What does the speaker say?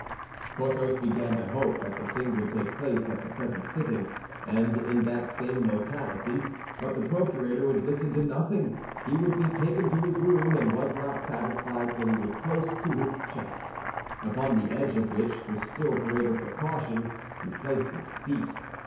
Porthos began to hope that the thing would take place at the present sitting, and in that same locality; but the procurator would listen to nothing, he would be taken to his room, and was not satisfied till he was close to his chest, upon the edge of which, for still greater precaution, he placed his feet.